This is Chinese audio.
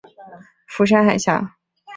釜山海峡。